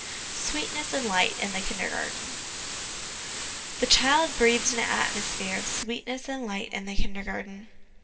' Sweetness and Light ' in the Kindergarten. The child breathes an atmosphere of ' sweetness and light' in the Kindergarten.